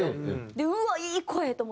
でうわっいい声！と思って。